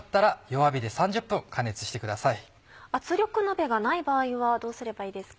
圧力鍋がない場合はどうすればいいですか？